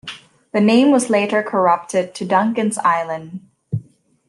The name was later corrupted to Duncan's Island.